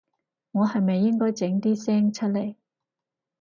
我係咪應該整啲聲出來